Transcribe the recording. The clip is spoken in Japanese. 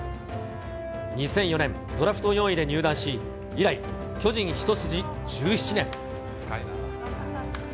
２００４年、ドラフト４位で入団し、以来、巨人一筋１７年。